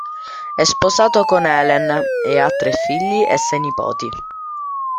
È sposato con Helen e ha tre figli e sei nipoti.